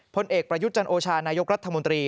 ผลเอกประยุทธ์จันโอชานายกรัฐมนตรี